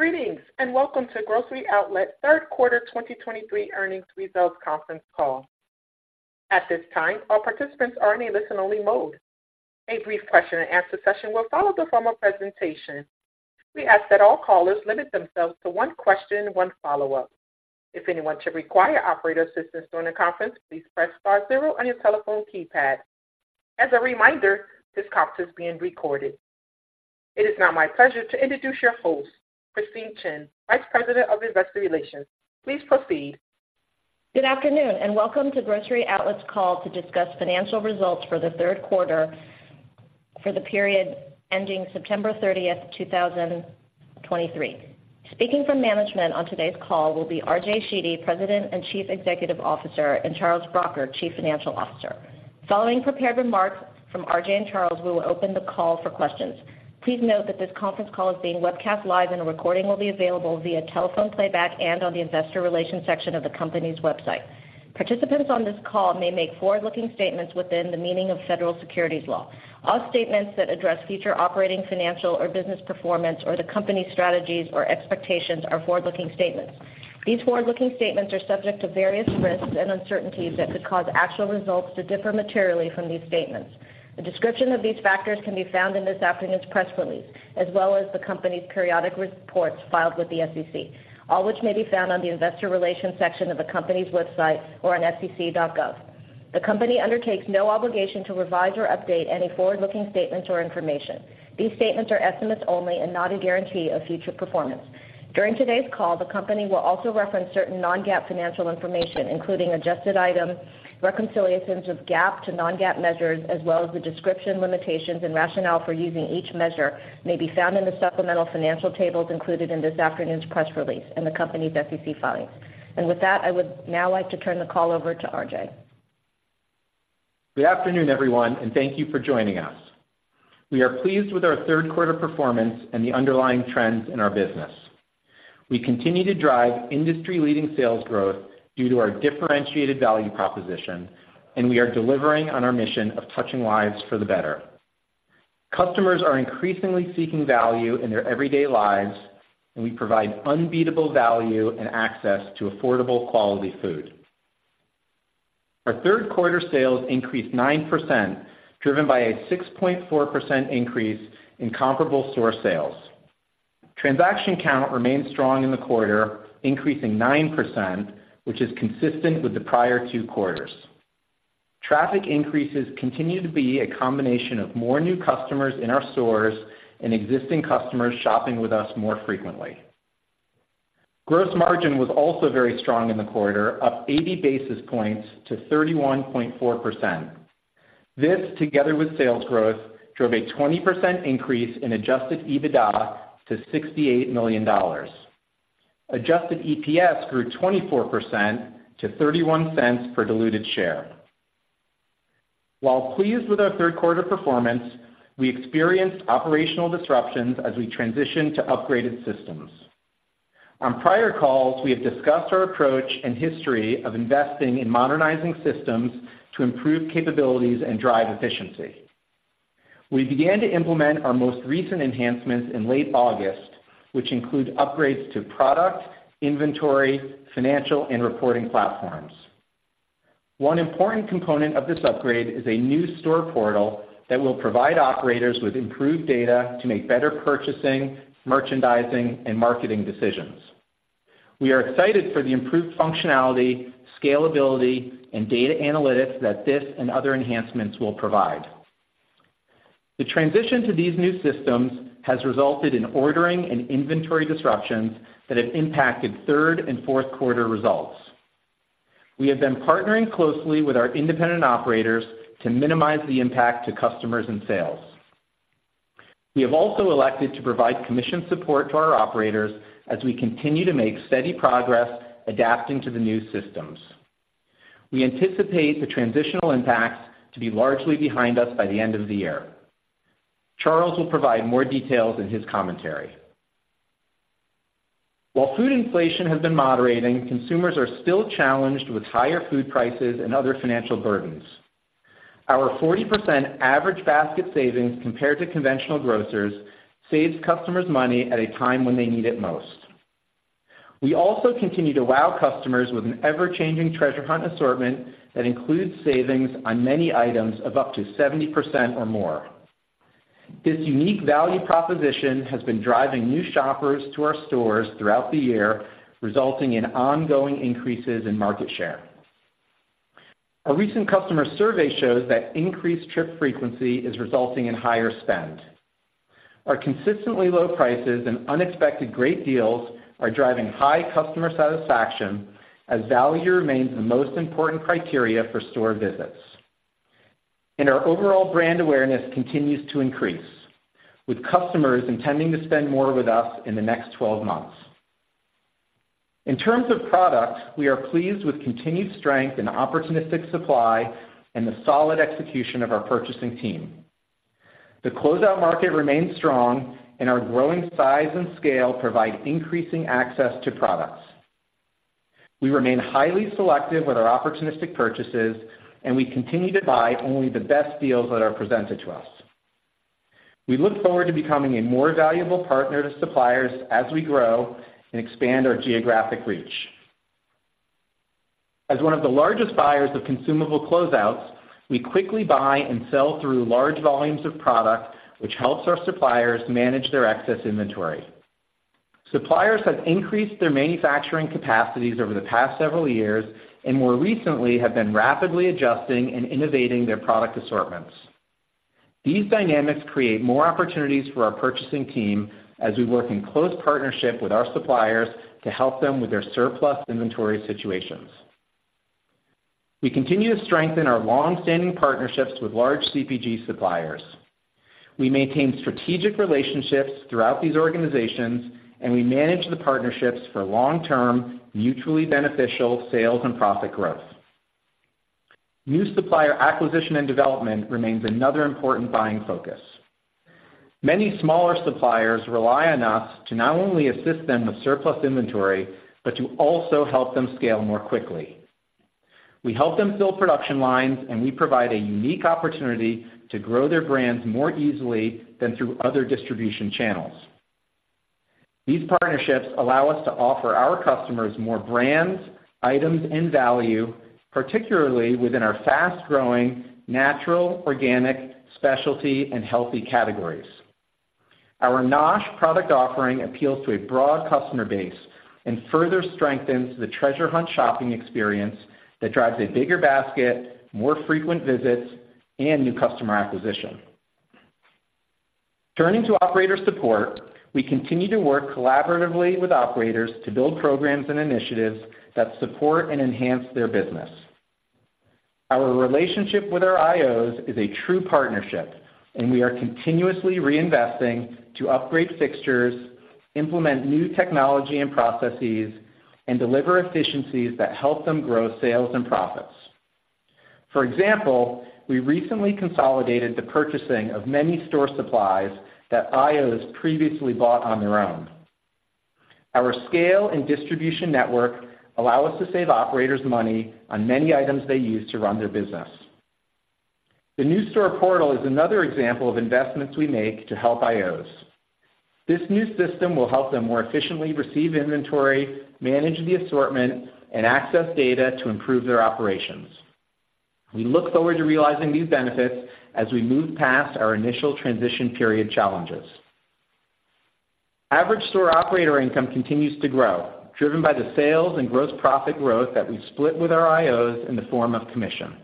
Greetings, and welcome to Grocery Outlet third 2023 earnings results conference call. At this time, all participants are in a listen-only mode. A brief question-and-answer session will follow the formal presentation. We ask that all callers limit themselves to one question and one follow-up. If anyone should require operator assistance during the conference, please press star zero on your telephone keypad. As a reminder, this call is being recorded. It is now my pleasure to introduce your host, Christine Chen, Vice President of Investor Relations. Please proceed. Good afternoon, and welcome to Grocery Outlet's call to discuss financial results for the third quarter for the period ending September 30, 2023. Speaking from management on today's call will be RJ Sheedy, President and Chief Executive Officer, and Charles Bracher, Chief Financial Officer. Following prepared remarks from RJ and Charles, we will open the call for questions. Please note that this conference call is being webcast live, and a recording will be available via telephone playback and on the investor relations section of the company's website. Participants on this call may make forward-looking statements within the meaning of federal securities law. TD CowenAll statements that address future operating, financial, or business performance or the company's strategies or expectations are forward-looking statements. These forward-looking statements are subject to various risks and uncertainties that could cause actual results to differ materially from these statements. A description of these factors can be found in this afternoon's press release, as well as the company's periodic reports filed with the SEC, all which may be found on the investor relations section of the company's website or on sec.gov. The company undertakes no obligation to revise or update any forward-looking statements or information. These statements are estimates only and not a guarantee of future performance. During today's call, the company will also reference certain non-GAAP financial information, including adjusted items, reconciliations of GAAP to non-GAAP measures, as well as the description, limitations, and rationale for using each measure, may be found in the supplemental financial tables included in this afternoon's press release and the company's SEC filings. With that, I would now like to turn the call over to RJ. Good afternoon, everyone, and thank you for joining us. We are pleased with our third quarter performance and the underlying trends in our business. We continue to drive industry-leading sales growth due to our differentiated value proposition, and we are delivering on our mission of touching lives for the better. Customers are increasingly seeking value in their everyday lives, and we provide unbeatable value and access to affordable, quality food. Our third quarter sales increased 9%, driven by a 6.4% increase in comparable store sales. Transaction count remained strong in the quarter, increasing 9%, which is consistent with the prior two quarters. Traffic increases continue to be a combination of more new customers in our stores and existing customers shopping with us more frequently. Gross margin was also very strong in the quarter, up 80 basis points to 31.4%. This, together with sales growth, drove a 20% increase in Adjusted EBITDA to $68 million. Adjusted EPS grew 24% to $0.31 per diluted share. While pleased with our third quarter performance, we experienced operational disruptions as we transitioned to upgraded systems. On prior calls, we have discussed our approach and history of investing in modernizing systems to improve capabilities and drive efficiency. We began to implement our most recent enhancements in late August, which include upgrades to product, inventory, financial, and reporting platforms. One important component of this upgrade is a new store portal that will provide operators with improved data to make better purchasing, merchandising, and marketing decisions. We are excited for the improved functionality, scalability, and data analytics that this and other enhancements will provide. The transition to these new systems has resulted in ordering and inventory disruptions that have impacted third and fourth quarter results. We have been partnering closely with our independent operators to minimize the impact to customers and sales. We have also elected to provide commission support to our operators as we continue to make steady progress adapting to the new systems. We anticipate the transitional impacts to be largely behind us by the end of the. Charles will provide more details in his commentary. While food inflation has been moderating, consumers are still challenged with higher food prices and other financial burdens. Our 40% average basket savings compared to conventional grocers saves customers money at a time when they need it most. We also continue to wow customers with an ever-changing treasure hunt assortment that includes savings on many items of up to 70% or more. This unique value proposition has been driving new shoppers to our stores throughout the year, resulting in ongoing increases in market share. A recent customer survey shows that increased trip frequency is resulting in higher spend. Our consistently low prices and unexpected great deals are driving high customer satisfaction, as value remains the most important criteria for store visits. Our overall brand awareness continues to increase, with customers intending to spend more with us in the next twelve months. In terms of product, we are pleased with continued strength in opportunistic supply and the solid execution of our purchasing team. The closeout market remains strong, and our growing size and scale provide increasing access to products.... We remain highly selective with our opportunistic purchases, and we continue to buy only the best deals that are presented to us. We look forward to becoming a more valuable partner to suppliers as we grow and expand our geographic reach. As one of the largest buyers of consumable closeouts, we quickly buy and sell through large volumes of product, which helps our suppliers manage their excess inventory. Suppliers have increased their manufacturing capacities over the past several years, and more recently, have been rapidly adjusting and innovating their product assortments. These dynamics create more opportunities for our purchasing team as we work in close partnership with our suppliers to help them with their surplus inventory situations. We continue to strengthen our long-standing partnerships with large CPG suppliers. We maintain strategic relationships throughout these organizations, and we manage the partnerships for long-term, mutually beneficial sales and profit growth. New supplier acquisition and development remains another important buying focus. Many smaller suppliers rely on us to not only assist them with surplus inventory, but to also help them scale more quickly. We help them build production lines, and we provide a unique opportunity to grow their brands more easily than through other distribution channels. These partnerships allow us to offer our customers more brands, items, and value, particularly within our fast-growing natural, organic, specialty, and healthy categories. Our NOSH product offering appeals to a broad customer base and further strengthens the Treasure Hunt shopping experience that drives a bigger basket, more frequent visits, and new customer acquisition. Turning to operator support, we continue to work collaboratively with operators to build programs and initiatives that support and enhance their business. Our relationship with our IOs is a true partnership, and we are continuously reinvesting to upgrade fixtures, implement new technology and processes, and deliver efficiencies that help them grow sales and profits. For example, we recently consolidated the purchasing of many store supplies that IOs previously bought on their own. Our scale and distribution network allow us to save operators money on many items they use to run their business. The new store portal is another example of investments we make to help IOs. This new system will help them more efficiently receive inventory, manage the assortment, and access data to improve their operations. We look forward to realizing these benefits as we move past our initial transition period challenges. Average store operator income continues to grow, driven by the sales and gross profit growth that we split with our IOs in the form of commission.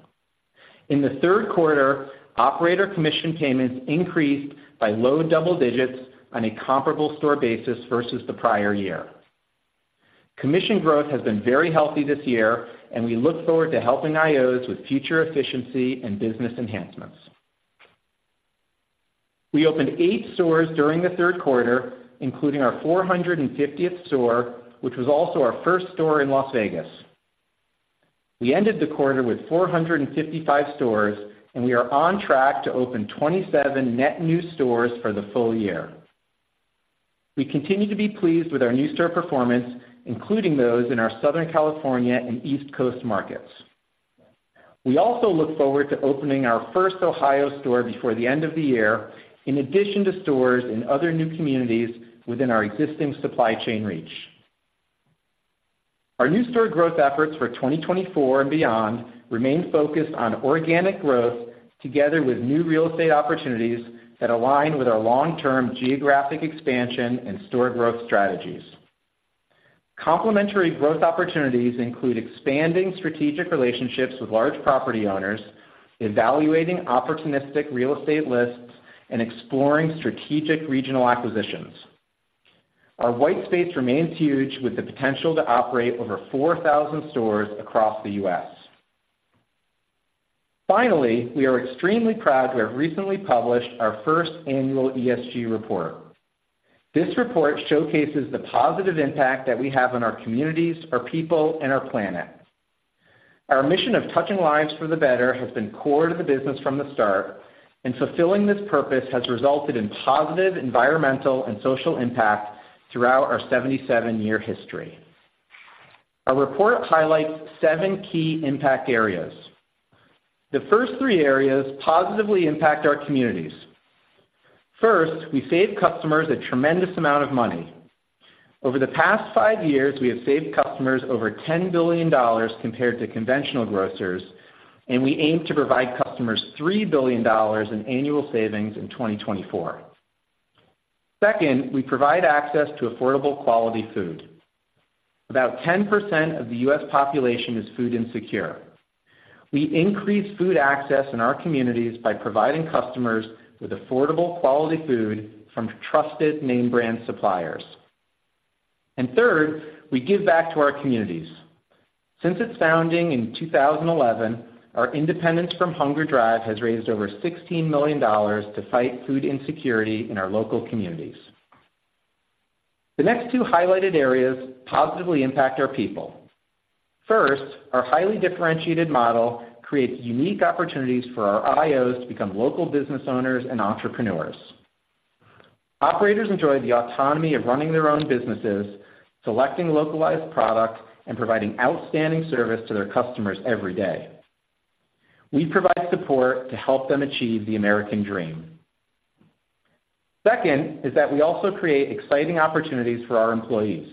In the third quarter, operator commission payments increased by low double digits on a comparable store basis versus the prior year. Commission growth has been very healthy this year, and we look forward to helping IOs with future efficiency and business enhancements. We opened 8 stores during the third quarter, including our 450th store, which was also our first store in Las Vegas. We ended the quarter with 455 stores, and we are on track to open 27 net new stores for the full year. We continue to be pleased with our new store performance, including those in our Southern California and East Coast markets. We also look forward to opening our first Ohio store before the end of the year, in addition to stores in other new communities within our existing supply chain reach. Our new store growth efforts for 2024 and beyond remain focused on organic growth together with new real estate opportunities that align with our long-term geographic expansion and store growth strategies. Complementary growth opportunities include expanding strategic relationships with large property owners, evaluating opportunistic real estate lists, and exploring strategic regional acquisitions. Our white space remains huge, with the potential to operate over 4,000 stores across the U.S. Finally, we are extremely proud to have recently published our first annual ESG report. This report showcases the positive impact that we have on our communities, our people, and our planet. Our mission of touching lives for the better has been core to the business from the start, and fulfilling this purpose has resulted in positive environmental and social impact throughout our 77-year history. Our report highlights seven key impact areas. The first three areas positively impact our communities. First, we save customers a tremendous amount of money. Over the past 5 years, we have saved customers over $10 billion compared to conventional grocers, and we aim to provide customers $3 billion in annual savings in 2024. Second, we provide access to affordable, quality food. About 10% of the U.S. population is food insecure. We increase food access in our communities by providing customers with affordable, quality food from trusted name brand suppliers. And third, we give back to our communities. Since its founding in 2011, our Independence from Hunger drive has raised over $16 million to fight food insecurity in our local communities. The next two highlighted areas positively impact our people. First, our highly differentiated model creates unique opportunities for our IOs to become local business owners and entrepreneurs.... Operators enjoy the autonomy of running their own businesses, selecting localized product, and providing outstanding service to their customers every day. We provide support to help them achieve the American dream. Second, is that we also create exciting opportunities for our employees.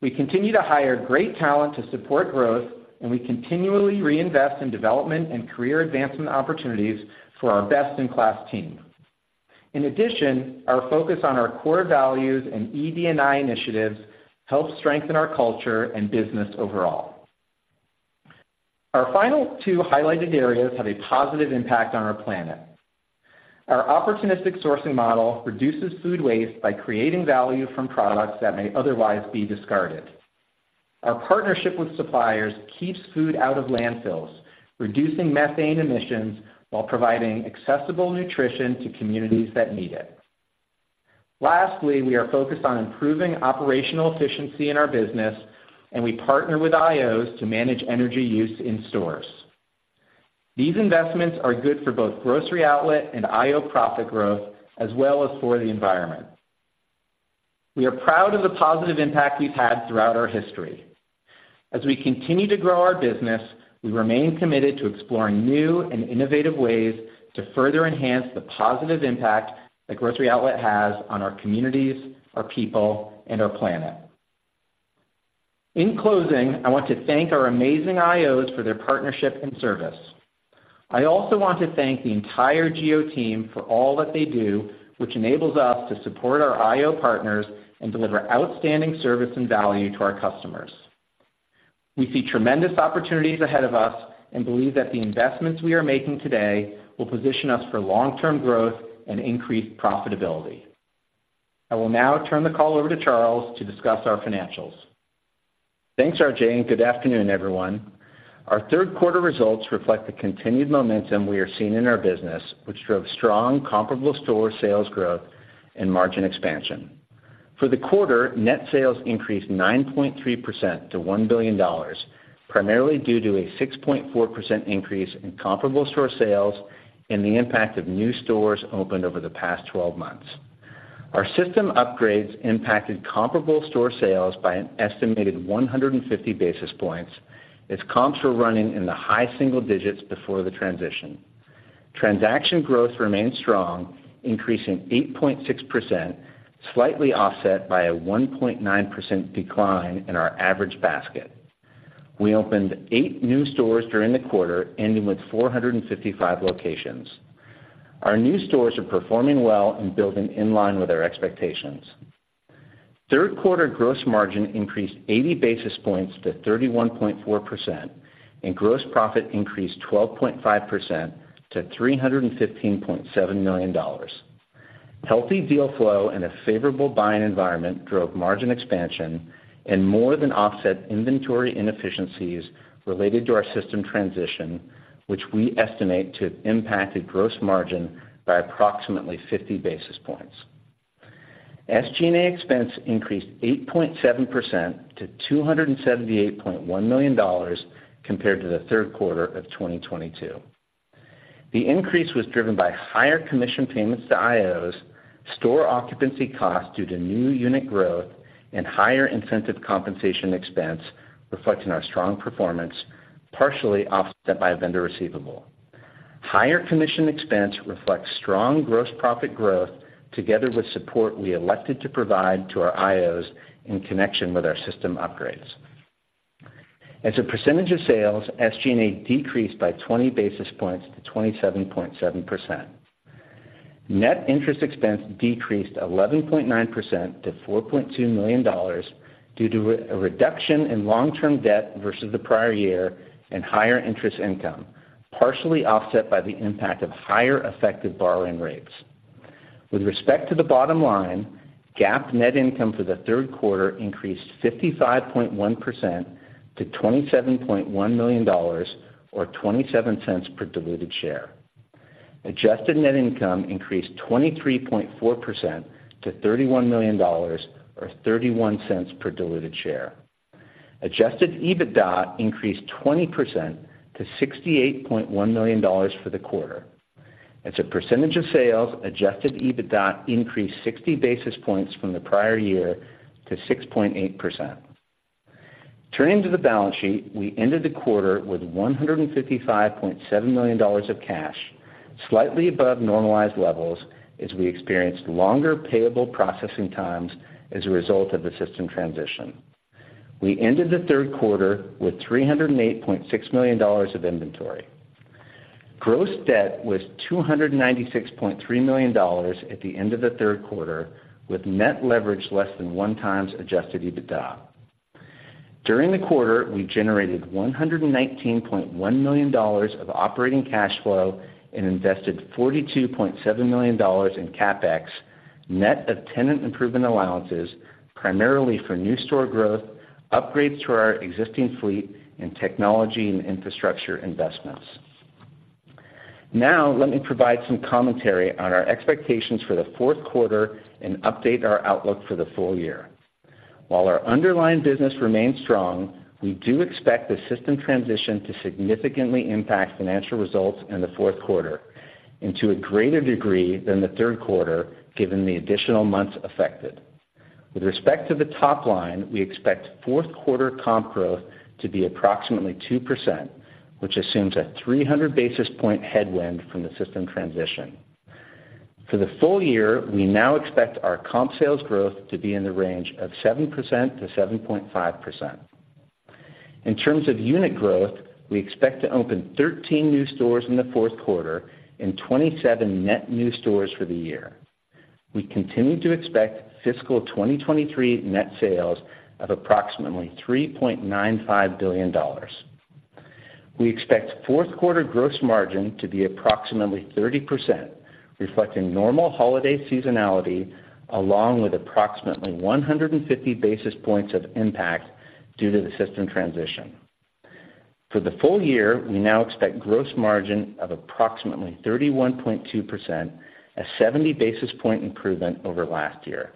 We continue to hire great talent to support growth, and we continually reinvest in development and career advancement opportunities for our best-in-class team. In addition, our focus on our core values and ED&I initiatives help strengthen our culture and business overall. Our final two highlighted areas have a positive impact on our planet. Our opportunistic sourcing model reduces food waste by creating value from products that may otherwise be discarded. Our partnership with suppliers keeps food out of landfills, reducing methane emissions while providing accessible nutrition to communities that need it. Lastly, we are focused on improving operational efficiency in our business, and we partner with IOs to manage energy use in stores. These investments are good for both Grocery Outlet and IO profit growth, as well as for the environment. We are proud of the positive impact we've had throughout our history. As we continue to grow our business, we remain committed to exploring new and innovative ways to further enhance the positive impact that Grocery Outlet has on our communities, our people, and our planet. In closing, I want to thank our amazing IOs for their partnership and service. I also want to thank the entire GO team for all that they do, which enables us to support our IO partners and deliver outstanding service and value to our customers. We see tremendous opportunities ahead of us and believe that the investments we are making today will position us for long-term growth and increased profitability. I will now turn the call over to Charles to discuss our financials. Thanks, RJ, and good afternoon, everyone. Our third quarter results reflect the continued momentum we are seeing in our business, which drove strong comparable store sales growth and margin expansion. For the quarter, net sales increased 9.3% to $1 billion, primarily due to a 6.4% increase in comparable store sales and the impact of new stores opened over the past 12 months. Our system upgrades impacted comparable store sales by an estimated 150 basis points, as comps were running in the high single digits before the transition. Transaction growth remained strong, increasing 8.6%, slightly offset by a 1.9% decline in our average basket. We opened 8 new stores during the quarter, ending with 455 locations. Our new stores are performing well and building in line with our expectations. Third quarter gross margin increased 80 basis points to 31.4%, and gross profit increased 12.5% to $315.7 million. Healthy deal flow and a favorable buying environment drove margin expansion and more than offset inventory inefficiencies related to our system transition, which we estimate to have impacted gross margin by approximately 50 basis points. SG&A expense increased 8.7% to $278.1 million compared to the third quarter of 2022. The increase was driven by higher commission payments to IOs, store occupancy costs due to new unit growth, and higher incentive compensation expense reflecting our strong performance, partially offset by a vendor receivable. Higher commission expense reflects strong gross profit growth, together with support we elected to provide to our IOs in connection with our system upgrades. As a percentage of sales, SG&A decreased by 20 basis points to 27.7%. Net interest expense decreased 11.9% to $4.2 million due to a reduction in long-term debt versus the prior year and higher interest income, partially offset by the impact of higher effective borrowing rates. With respect to the bottom line, GAAP net income for the third quarter increased 55.1% to $27.1 million or $0.27 per diluted share. Adjusted net income increased 23.4% to $31 million, or $0.31 per diluted share. Adjusted EBITDA increased 20% to $68.1 million for the quarter. As a percentage of sales, adjusted EBITDA increased 60 basis points from the prior year to 6.8%. Turning to the balance sheet, we ended the quarter with $155.7 million of cash, slightly above normalized levels, as we experienced longer payable processing times as a result of the system transition. We ended the third quarter with $308.6 million of inventory. Gross debt was $296.3 million at the end of the third quarter, with net leverage less than 1x Adjusted EBITDA. During the quarter, we generated $119.1 million of operating cash flow and invested $42.7 million in CapEx, net of tenant improvement allowances, primarily for new store growth, upgrades to our existing fleet, and technology and infrastructure investments. Now, let me provide some commentary on our expectations for the fourth quarter and update our outlook for the full year.... While our underlying business remains strong, we do expect the system transition to significantly impact financial results in the fourth quarter and to a greater degree than the third quarter, given the additional months affected. With respect to the top line, we expect fourth quarter comp growth to be approximately 2%, which assumes a 300 basis point headwind from the system transition. For the full year, we now expect our comp sales growth to be in the range of 7%-7.5%. In terms of unit growth, we expect to open 13 new stores in the fourth quarter and 27 net new stores for the year. We continue to expect fiscal 2023 net sales of approximately $3.95 billion. We expect fourth quarter gross margin to be approximately 30%, reflecting normal holiday seasonality, along with approximately 150 basis points of impact due to the system transition. For the full year, we now expect gross margin of approximately 31.2%, a 70 basis point improvement over last year.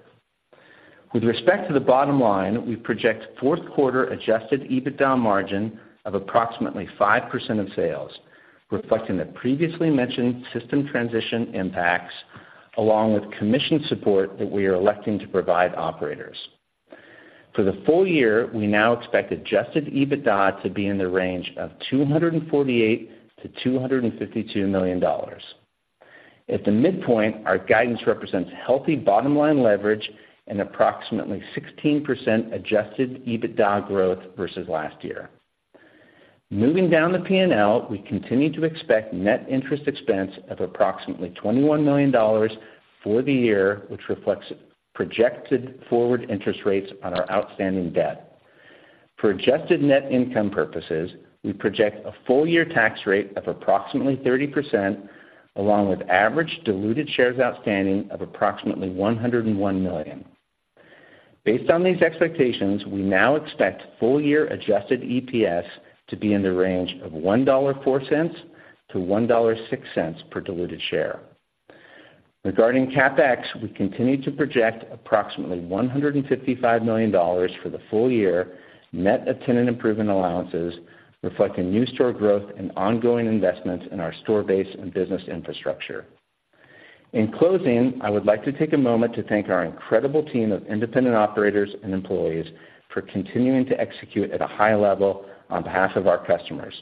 With respect to the bottom line, we project fourth quarter adjusted EBITDA margin of approximately 5% of sales, reflecting the previously mentioned system transition impacts, along with commission support that we are electing to provide operators. For the full year, we now expect adjusted EBITDA to be in the range of $248 million-$252 million. At the midpoint, our guidance represents healthy bottom line leverage and approximately 16% adjusted EBITDA growth versus last year. Moving down the P&L, we continue to expect net interest expense of approximately $21 million for the year, which reflects projected forward interest rates on our outstanding debt. For adjusted net income purposes, we project a full year tax rate of approximately 30%, along with average diluted shares outstanding of approximately 101 million. Based on these expectations, we now expect full year adjusted EPS to be in the range of $1.04-$1.06 per diluted share. Regarding CapEx, we continue to project approximately $155 million for the full year, net of tenant improvement allowances, reflecting new store growth and ongoing investments in our store base and business infrastructure. In closing, I would like to take a moment to thank our incredible team of independent operators and employees for continuing to execute at a high level on behalf of our customers.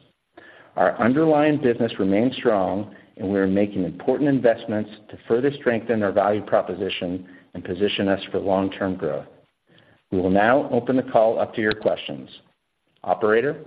Our underlying business remains strong, and we are making important investments to further strengthen our value proposition and position us for long-term growth. We will now open the call up to your questions. Operator?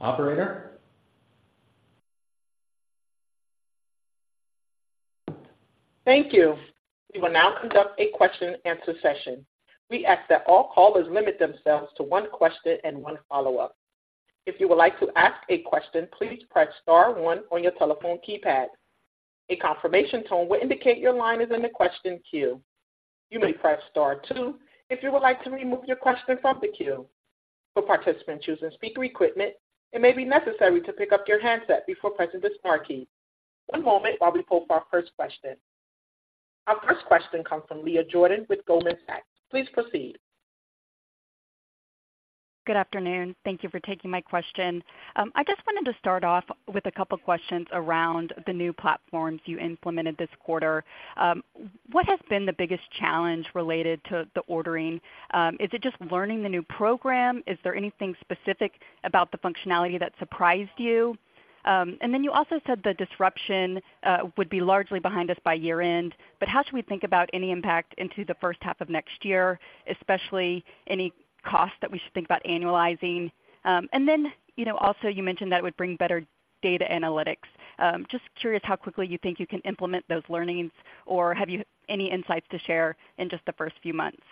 Operator? Thank you. We will now conduct a question-and-answer session. We ask that all callers limit themselves to one question and one follow-up. If you would like to ask a question, please press star one on your telephone keypad. A confirmation tone will indicate your line is in the question queue. You may press star two if you would like to remove your question from the queue. For participants using speaker equipment, it may be necessary to pick up your handset before pressing the star key. One moment while we pull for our first question. Our first question comes from Leah Jordan with Goldman Sachs. Please proceed. Good afternoon. Thank you for taking my question. I just wanted to start off with a couple questions around the new platforms you implemented this quarter. What has been the biggest challenge related to the ordering? Is it just learning the new program? Is there anything specific about the functionality that surprised you? And then you also said the disruption would be largely behind us by year-end, but how should we think about any impact into the first half of next year, especially any costs that we should think about annualizing? And then, you know, also you mentioned that it would bring better data analytics. Just curious how quickly you think you can implement those learnings, or have you any insights to share in just the first few months?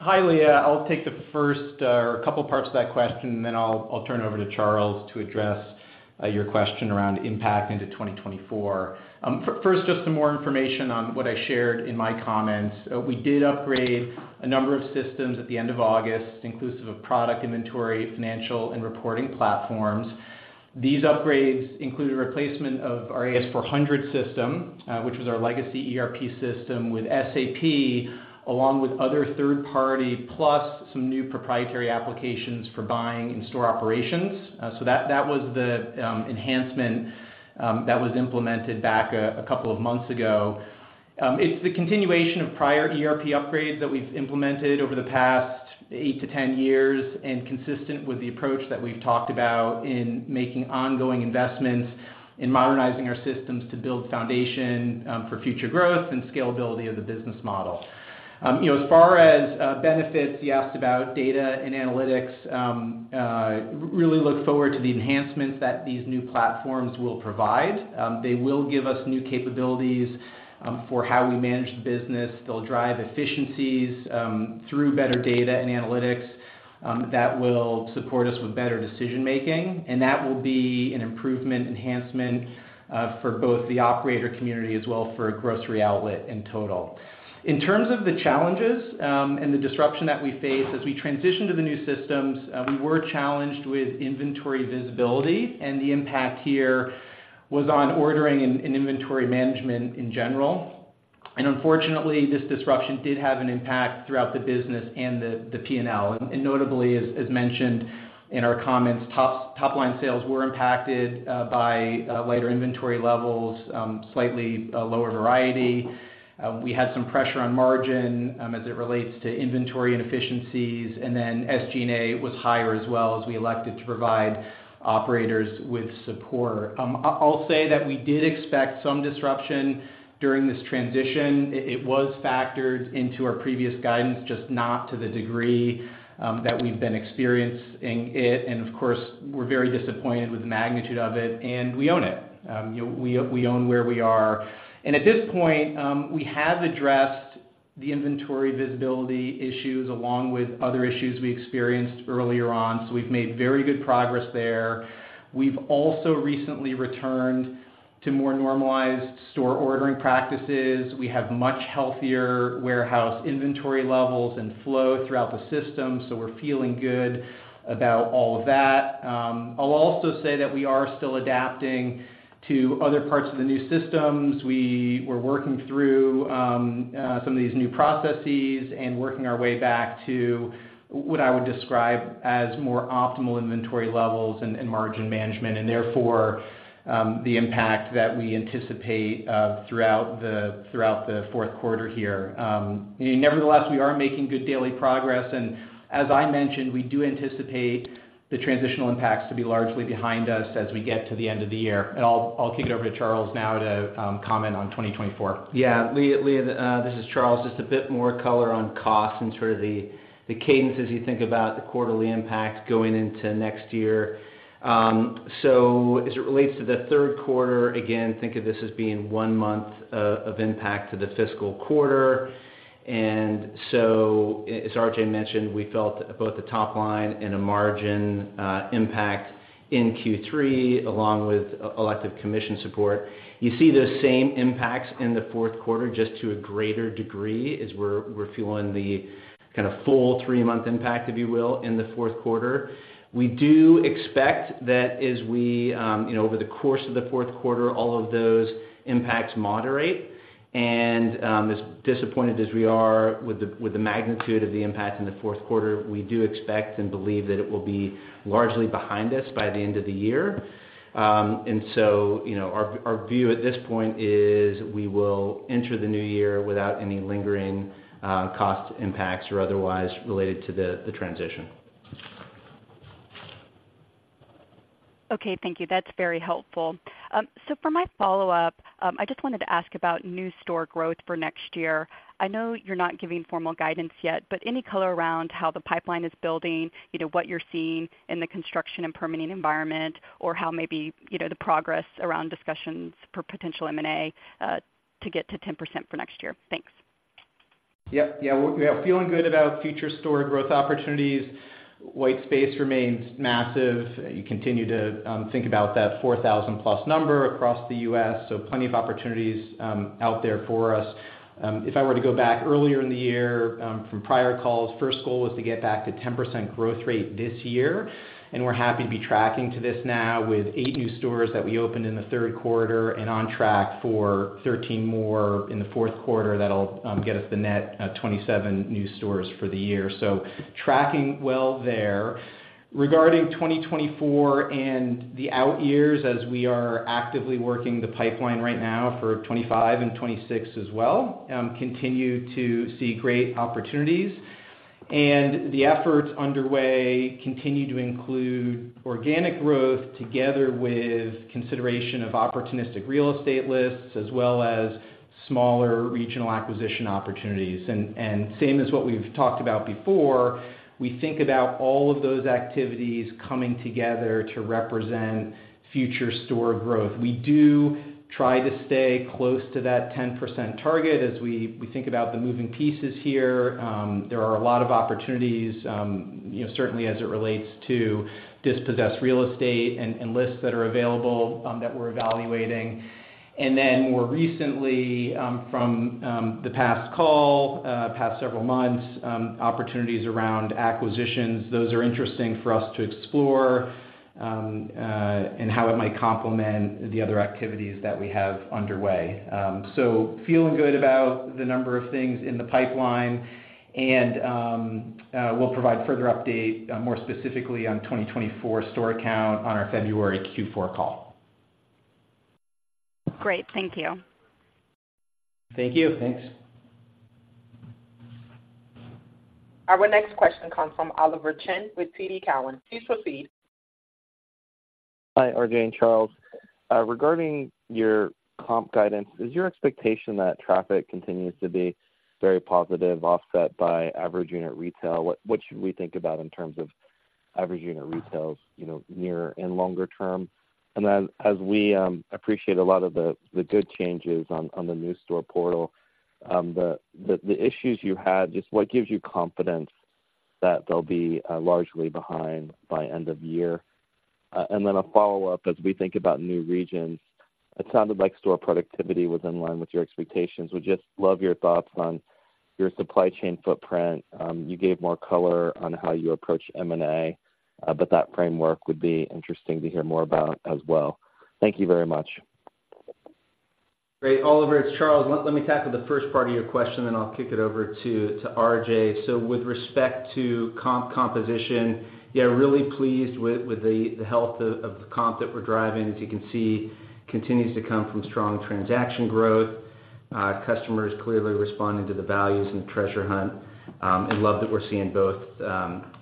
Hi, Leah. I'll take the first, or a couple parts of that question, and then I'll turn it over to Charles to address your question around impact into 2024. First, just some more information on what I shared in my comments. We did upgrade a number of systems at the end of August, inclusive of product inventory, financial, and reporting platforms. These upgrades included replacement of our AS/400 system, which was our legacy ERP system, with SAP, along with other third-party, plus some new proprietary applications for buying and store operations. So that was the enhancement that was implemented back a couple of months ago. It's the continuation of prior ERP upgrades that we've implemented over the past eight to ten years and consistent with the approach that we've talked about in making ongoing investments in modernizing our systems to build foundation for future growth and scalability of the business model. You know, as far as benefits, you asked about data and analytics, really look forward to the enhancements that these new platforms will provide. They will give us new capabilities for how we manage the business. They'll drive efficiencies through better data and analytics.... that will support us with better decision making, and that will be an improvement enhancement, for both the operator community as well, for Grocery Outlet in total. In terms of the challenges, and the disruption that we face as we transition to the new systems, we were challenged with inventory visibility, and the impact here was on ordering and inventory management in general. And unfortunately, this disruption did have an impact throughout the business and the PNL. And notably, as mentioned in our comments, top-line sales were impacted, by lighter inventory levels, slightly lower variety. We had some pressure on margin, as it relates to inventory inefficiencies, and then SG&A was higher as well as we elected to provide operators with support. I'll say that we did expect some disruption during this transition. It was factored into our previous guidance, just not to the degree that we've been experiencing it. And of course, we're very disappointed with the magnitude of it, and we own it. You know, we own where we are. And at this point, we have addressed the inventory visibility issues along with other issues we experienced earlier on. So we've made very good progress there. We've also recently returned to more normalized store ordering practices. We have much healthier warehouse inventory levels and flow throughout the system, so we're feeling good about all of that. I'll also say that we are still adapting to other parts of the new systems. We're working through some of these new processes and working our way back to what I would describe as more optimal inventory levels and margin management, and therefore the impact that we anticipate throughout the fourth quarter here. Nevertheless, we are making good daily progress, and as I mentioned, we do anticipate the transitional impacts to be largely behind us as we get to the end of the year. And I'll kick it over to Charles now to comment on 2024. Yeah, Leah, Leah, this is Charles. Just a bit more color on costs and sort of the, the cadences you think about the quarterly impact going into next year. So as it relates to the third quarter, again, think of this as being one month of impact to the fiscal quarter. And so as RJ mentioned, we felt both the top line and a margin impact in Q3, along with elective commission support. You see those same impacts in the fourth quarter, just to a greater degree, as we're feeling the kind of full three-month impact, if you will, in the fourth quarter. We do expect that as we, you know, over the course of the fourth quarter, all of those impacts moderate. As disappointed as we are with the magnitude of the impact in the fourth quarter, we do expect and believe that it will be largely behind us by the end of the year. So, you know, our view at this point is, we will enter the new year without any lingering cost impacts or otherwise related to the transition. Okay, thank you. That's very helpful. So for my follow-up, I just wanted to ask about new store growth for next year. I know you're not giving formal guidance yet, but any color around how the pipeline is building, you know, what you're seeing in the construction and permitting environment, or how maybe, you know, the progress around discussions for potential M&A, to get to 10% for next year? Thanks. Yep. Yeah, we are feeling good about future store growth opportunities. White Space remains massive. You continue to think about that 4,000+ number across the U.S., so plenty of opportunities out there for us. If I were to go back earlier in the year from prior calls, first goal was to get back to 10% growth rate this year, and we're happy to be tracking to this now with 8 new stores that we opened in the third quarter and on track for 13 more in the fourth quarter. That'll get us the net 27 new stores for the year. So tracking well there. Regarding 2024 and the out years, as we are actively working the pipeline right now for 2025 and 2026 as well, continue to see great opportunities. The efforts underway continue to include organic growth, together with consideration of opportunistic real estate lists, as well as smaller regional acquisition opportunities. Same as what we've talked about before, we think about all of those activities coming together to represent future store growth. We do try to stay close to that 10% target as we think about the moving pieces here. There are a lot of opportunities, you know, certainly as it relates to dispossessed real estate and lists that are available that we're evaluating. And then more recently, from the past several months, opportunities around acquisitions. Those are interesting for us to explore and how it might complement the other activities that we have underway. So feeling good about the number of things in the pipeline, and we'll provide further update, more specifically on 2024 store count on our February Q4 call. Great. Thank you. Thank you. Thanks. Our next question comes from Oliver Chen with TD Cowen. Please proceed. Hi, RJ and Charles. Regarding your comp guidance, is your expectation that traffic continues to be very positive, offset by average unit retail? What should we think about in terms of that? Average unit retail, you know, near and longer term? And then as we appreciate a lot of the good changes on the new store portal, the issues you had, just what gives you confidence that they'll be largely behind by end of year? And then a follow-up, as we think about new regions, it sounded like store productivity was in line with your expectations. Would just love your thoughts on your supply chain footprint. You gave more color on how you approach M&A, but that framework would be interesting to hear more about as well. Thank you very much. Great, Oliver, it's Charles. Let me tackle the first part of your question, then I'll kick it over to RJ. So with respect to comp composition, yeah, really pleased with the health of the comp that we're driving. As you can see, continues to come from strong transaction growth. Customers clearly responding to the values and treasure hunt, and love that we're seeing both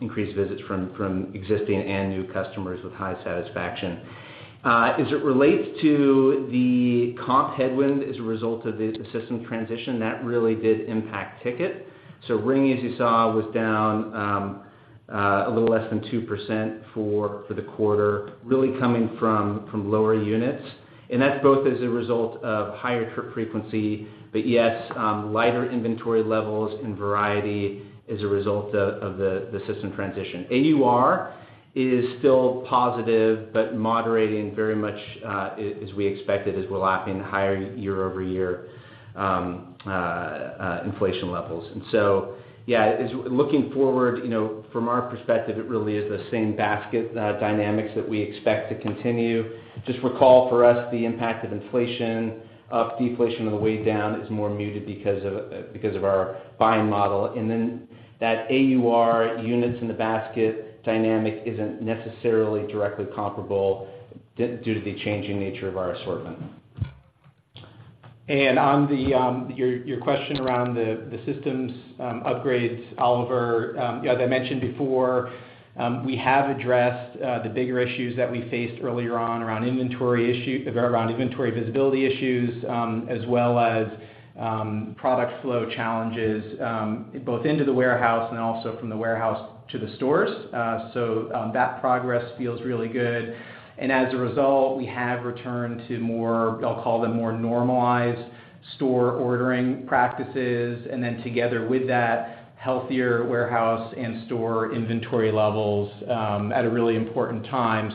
increased visits from existing and new customers with high satisfaction. As it relates to the comp headwind as a result of the system transition, that really did impact ticket. So ring, as you saw, was down a little less than 2% for the quarter, really coming from lower units. And that's both as a result of higher trip frequency, but yes, lighter inventory levels and variety as a result of the system transition. AUR is still positive, but moderating very much, as we expected, as we're lapping higher year-over-year inflation levels. And so, yeah, as looking forward, you know, from our perspective, it really is the same basket dynamics that we expect to continue. Just recall, for us, the impact of inflation, of deflation on the way down is more muted because of our buying model. And then that AUR units in the basket dynamic isn't necessarily directly comparable due to the changing nature of our assortment. On your question around the systems upgrades, Oliver, as I mentioned before, we have addressed the bigger issues that we faced earlier on around inventory visibility issues, as well as product flow challenges both into the warehouse and also from the warehouse to the stores. So, that progress feels really good. As a result, we have returned to more, I'll call them, more normalized store ordering practices, and then together with that, healthier warehouse and store inventory levels at a really important time.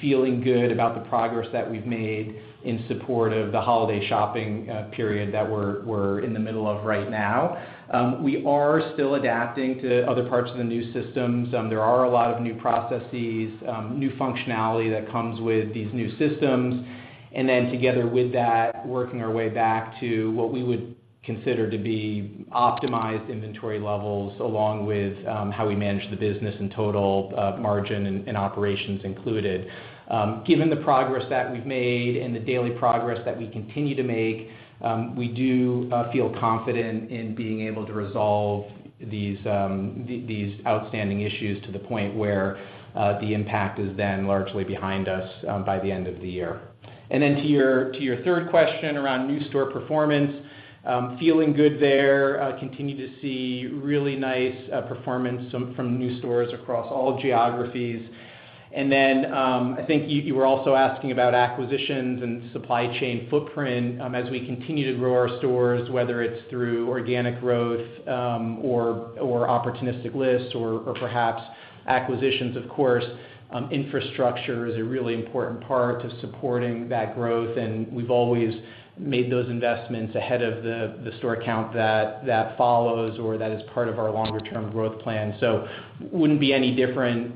Feeling good about the progress that we've made in support of the holiday shopping period that we're in the middle of right now. We are still adapting to other parts of the new systems. There are a lot of new processes, new functionality that comes with these new systems. And then together with that, working our way back to what we would consider to be optimized inventory levels, along with, how we manage the business in total, margin and, and operations included. Given the progress that we've made and the daily progress that we continue to make, we do, feel confident in being able to resolve these, these outstanding issues to the point where, the impact is then largely behind us, by the end of the year. And then to your, to your third question around new store performance, feeling good there. Continue to see really nice, performance from, from new stores across all geographies. And then, I think you, you were also asking about acquisitions and supply chain footprint. As we continue to grow our stores, whether it's through organic growth, or opportunistic lists or perhaps acquisitions, of course, infrastructure is a really important part to supporting that growth, and we've always made those investments ahead of the store count that follows or that is part of our longer-term growth plan. So wouldn't be any different,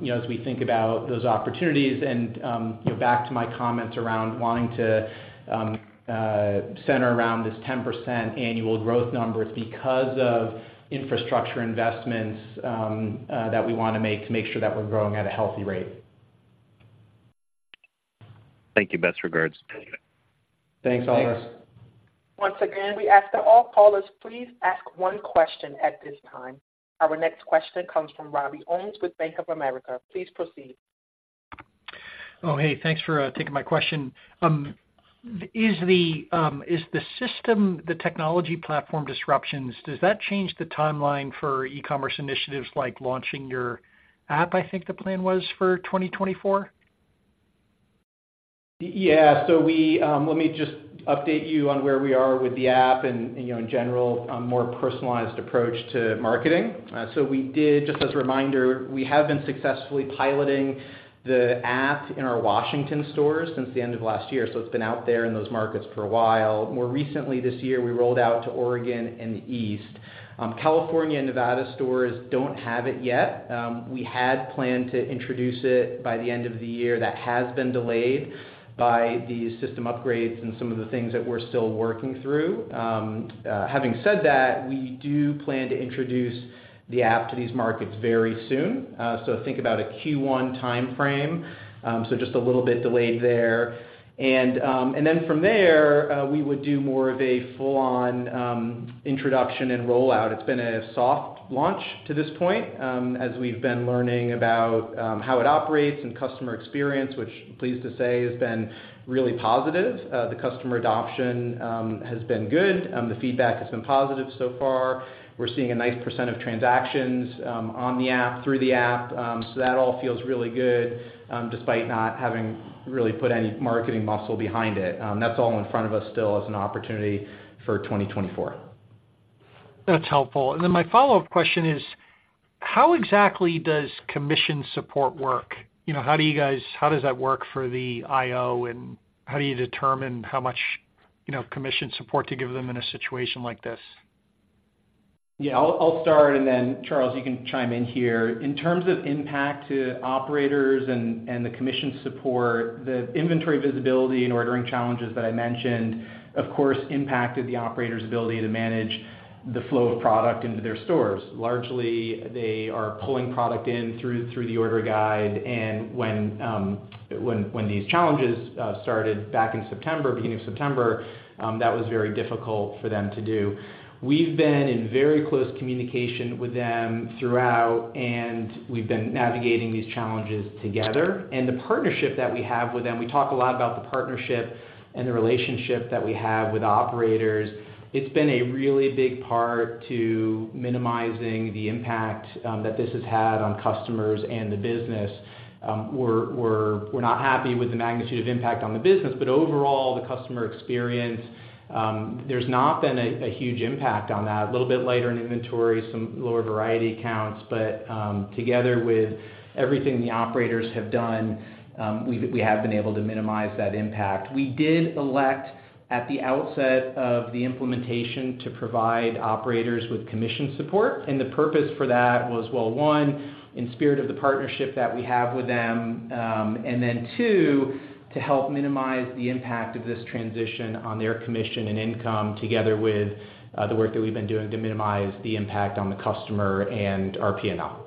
you know, as we think about those opportunities. And, you know, back to my comments around wanting to center around this 10% annual growth number, it's because of infrastructure investments that we wanna make to make sure that we're growing at a healthy rate. Thank you. Best regards. Thanks, Oliver. Thanks Once again, we ask that all callers please ask one question at this time. Our next question comes from Robbie Owens with Bank of America. Please proceed. Oh, hey, thanks for taking my question. Is the system, the technology platform disruptions, does that change the timeline for e-commerce initiatives like launching your app? I think the plan was for 2024? Yeah. So we... Let me just update you on where we are with the app and, you know, in general, a more personalized approach to marketing. So we did, just as a reminder, we have been successfully piloting the app in our Washington stores since the end of last year, so it's been out there in those markets for a while. More recently, this year, we rolled out to Oregon and the East. California and Nevada stores don't have it yet. We had planned to introduce it by the end of the year. That has been delayed by the system upgrades and some of the things that we're still working through. Having said that, we do plan to introduce the app to these markets very soon, so think about a Q1 timeframe, so just a little bit delayed there. And, and then from there, we would do more of a full-on, introduction and rollout. It's been a soft launch to this point, as we've been learning about, how it operates and customer experience, which I'm pleased to say, has been really positive. The customer adoption, has been good, the feedback has been positive so far. We're seeing a nice percent of transactions, on the app, through the app. So that all feels really good, despite not having really put any marketing muscle behind it. That's all in front of us still as an opportunity for 2024. That's helpful. And then my follow-up question is, how exactly does commission support work? You know, how do you guys, how does that work for the IO, and how do you determine how much, you know, commission support to give them in a situation like this? Yeah, I'll start, and then, Charles, you can chime in here. In terms of impact to operators and the commission support, the inventory visibility and ordering challenges that I mentioned, of course, impacted the operator's ability to manage the flow of product into their stores. Largely, they are pulling product in through the order guide, and when these challenges started back in September, beginning of September, that was very difficult for them to do. We've been in very close communication with them throughout, and we've been navigating these challenges together. And the partnership that we have with them, we talk a lot about the partnership and the relationship that we have with operators. It's been a really big part to minimizing the impact that this has had on customers and the business. We're not happy with the magnitude of impact on the business, but overall, the customer experience, there's not been a huge impact on that. A little bit later in inventory, some lower variety counts, but together with everything the operators have done, we have been able to minimize that impact. We did elect, at the outset of the implementation, to provide operators with commission support, and the purpose for that was, well, one, in spirit of the partnership that we have with them, and then two, to help minimize the impact of this transition on their commission and income, together with the work that we've been doing to minimize the impact on the customer and our P&L.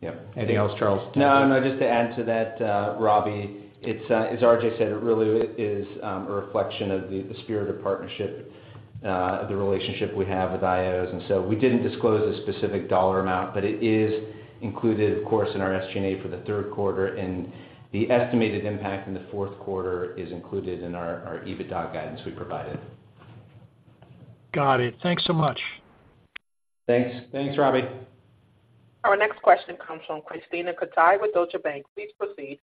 Yeah. Anything else, Charles? No, no, just to add to that, Robbie, it's, as RJ said, it really is, a reflection of the, the spirit of partnership, the relationship we have with IOs. And so we didn't disclose a specific dollar amount, but it is included, of course, in our SG&A for the third quarter, and the estimated impact in the fourth quarter is included in our, our EBITDA guidance we provided. Got it. Thanks so much. Thanks Thanks, Robbie. Our next question comes from Krisztina Katai with Deutsche Bank. Please proceed.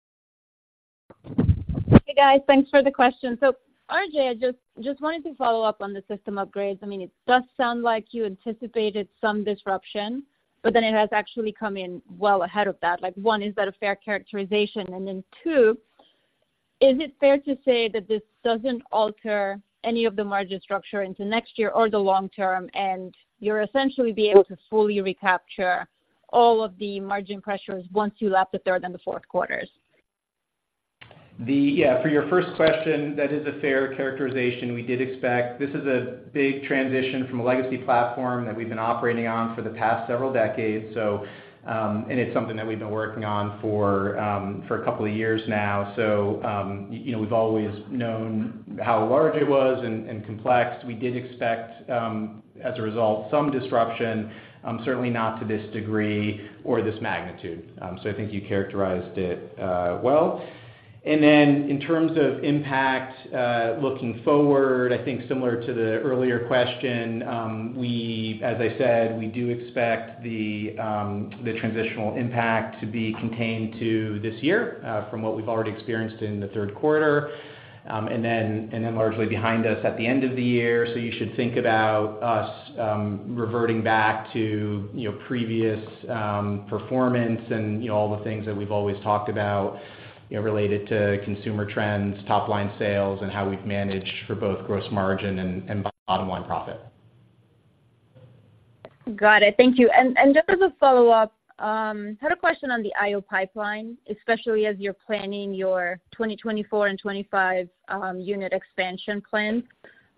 Hey, guys. Thanks for the question. So RJ, I just wanted to follow up on the system upgrades. I mean, it does sound like you anticipated some disruption, but then it has actually come in well ahead of that. Like, one, is that a fair characterization? And then two, is it fair to say that this doesn't alter any of the margin structure into next year or the long term, and you're essentially be able to fully recapture all of the margin pressures once you lap the third and the fourth quarters? Yeah, for your first question, that is a fair characterization. We did expect. This is a big transition from a legacy platform that we've been operating on for the past several decades. So, and it's something that we've been working on for a couple of years now. So, you know, we've always known how large it was and complex. We did expect, as a result, some disruption, certainly not to this degree or this magnitude. So I think you characterized it well. And then in terms of impact, looking forward, I think similar to the earlier question, we, as I said, we do expect the transitional impact to be contained to this year, from what we've already experienced in the third quarter. And then largely behind us at the end of the year. So you should think about us reverting back to, you know, previous performance and, you know, all the things that we've always talked about, you know, related to consumer trends, top-line sales, and how we've managed for both gross margin and bottom-line profit. Got it. Thank you. And just as a follow-up, had a question on the IO pipeline, especially as you're planning your 2024 and 2025 unit expansion plans.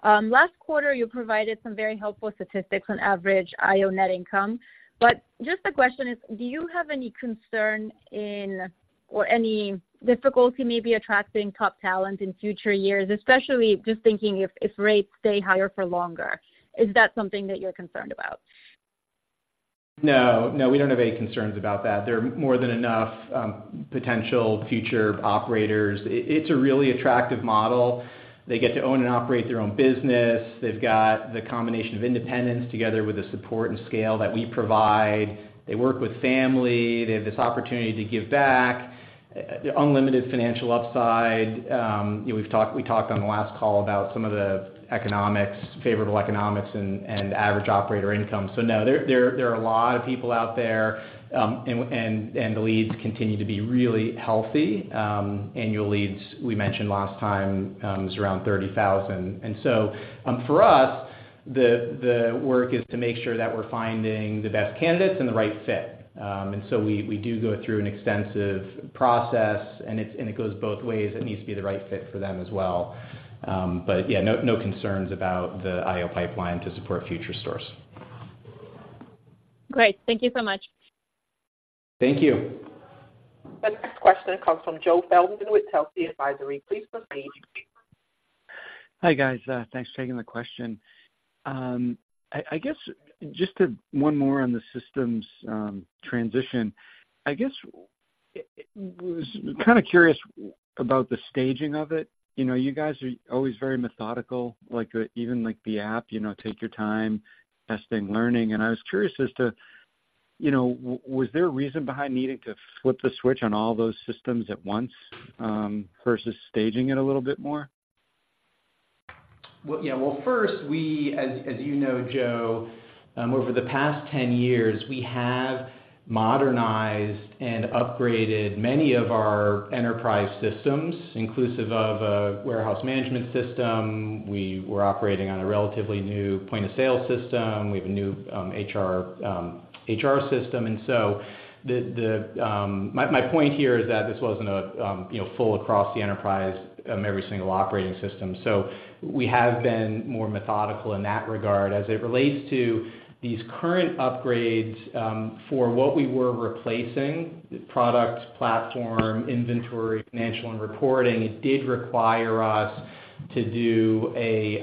Last quarter, you provided some very helpful statistics on average IO net income. But just the question is, do you have any concern in or any difficulty maybe attracting top talent in future years, especially just thinking if rates stay higher for longer? Is that something that you're concerned about? No, no, we don't have any concerns about that. There are more than enough potential future operators. It's a really attractive model. They get to own and operate their own business. They've got the combination of independence together with the support and scale that we provide. They work with family. They have this opportunity to give back unlimited financial upside. You know, we talked on the last call about some of the economics, favorable economics and average operator income. So no, there are a lot of people out there and the leads continue to be really healthy. Annual leads, we mentioned last time, is around 30,000. And so, for us, the work is to make sure that we're finding the best candidates and the right fit. So we do go through an extensive process, and it goes both ways. It needs to be the right fit for them as well. But yeah, no, no concerns about the IO pipeline to support future stores. Great. Thank you so much. Thank you. The next question comes from Joe Feldman with Telsey Advisory Group. Please proceed. Hi, guys, thanks for taking the question. I guess just to one more on the systems transition. I guess was kind of curious about the staging of it. You know, you guys are always very methodical, like, even like the app, you know, take your time, testing, learning. And I was curious as to, you know, was there a reason behind needing to flip the switch on all those systems at once, versus staging it a little bit more? Well, yeah, well, first, as you know, Joe, over the past 10 years, we have modernized and upgraded many of our enterprise systems, inclusive of a warehouse management system. We were operating on a relatively new point-of-sale system. We have a new HR system. And so the point here is that this wasn't a, you know, full across the enterprise, every single operating system. So we have been more methodical in that regard. As it relates to these current upgrades, for what we were replacing, the product, platform, inventory, financial, and reporting, it did require us to do a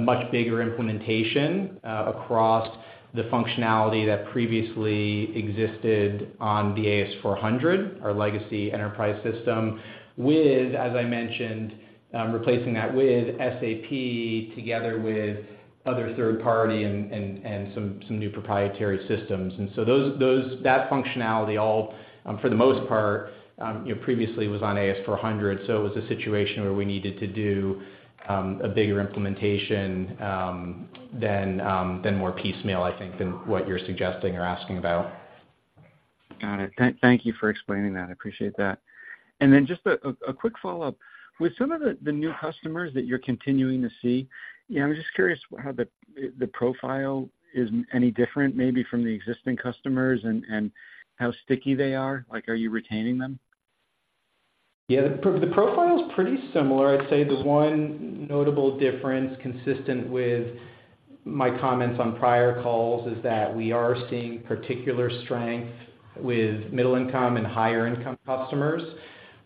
much bigger implementation, across the functionality that previously existed on the AS/400, our legacy enterprise system, with, as I mentioned, replacing that with SAP, together with other third party and some new proprietary systems. And so that functionality all, for the most part, you know, previously was on AS/400. So it was a situation where we needed to do a bigger implementation, than more piecemeal, I think, than what you're suggesting or asking about. Got it. Thank you for explaining that. I appreciate that. And then just a quick follow-up: With some of the new customers that you're continuing to see, you know, I'm just curious how the profile is any different maybe from the existing customers and how sticky they are. Like, are you retaining them? Yeah, the profile is pretty similar. I'd say the one notable difference, consistent with my comments on prior calls, is that we are seeing particular strength with middle-income and higher-income customers.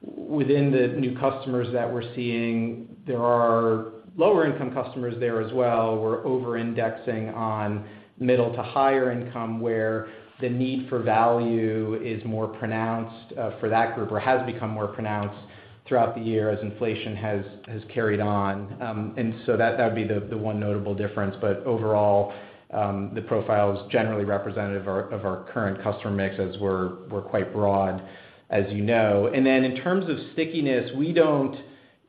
Within the new customers that we're seeing, there are lower-income customers there as well. We're over-indexing on middle to higher income, where the need for value is more pronounced for that group or has become more pronounced throughout the year as inflation has carried on. And so that would be the one notable difference. But overall, the profile is generally representative of our current customer mix, as we're quite broad, as you know. And then in terms of stickiness,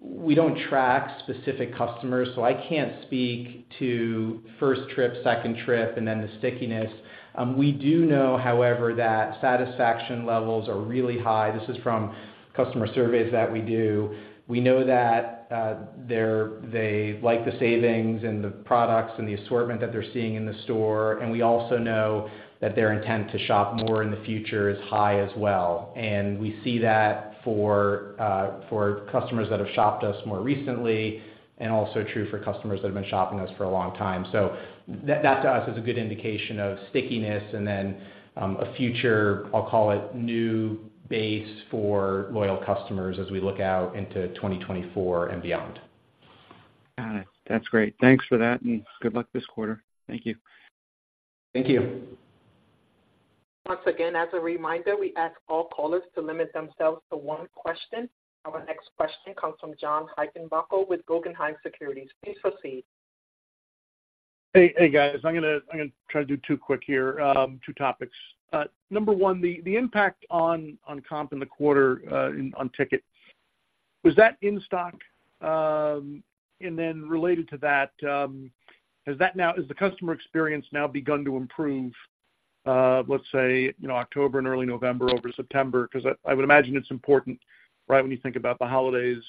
we don't track specific customers, so I can't speak to first trip, second trip, and then the stickiness. We do know, however, that satisfaction levels are really high. This is from customer surveys that we do. We know that they like the savings and the products and the assortment that they're seeing in the store, and we also know that their intent to shop more in the future is high as well. And we see that for for customers that have shopped us more recently, and also true for customers that have been shopping us for a long time. So that, that, to us, is a good indication of stickiness and then a future, I'll call it, new base for loyal customers as we look out into 2024 and beyond. Got it. That's great. Thanks for that, and good luck this quarter. Thank you. Thank you. Once again, as a reminder, we ask all callers to limit themselves to one question. Our next question comes from John Heinbockel with Guggenheim Securities. Please proceed. Hey, hey, guys. I'm gonna try to do two quick here, two topics. Number one, the impact on comp in the quarter, on ticket, was that in stock? And then related to that, has the customer experience now begun to improve, let's say, you know, October and early November, over September? Because I would imagine it's important, right, when you think about the holidays,